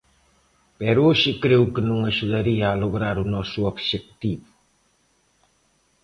Pero hoxe creo que non axudaría a lograr o noso obxectivo.